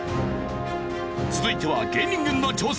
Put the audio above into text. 続いては芸人軍の挑戦